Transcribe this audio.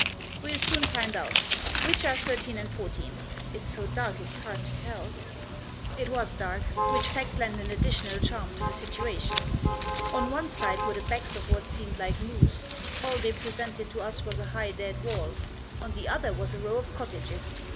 "We'll soon find out. Which are 13 and 14? It's so dark it's hard to tell." It was dark ; which fact lent an additional charm to the situation. On one side were the backs of what seemed like mews ; all they presented to us was a high dead wall. On the other was a row of cottages.